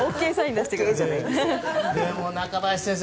でも中林先生